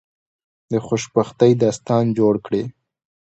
د خوشبختی داستان جوړ کړی.